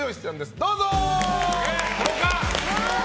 どうぞ！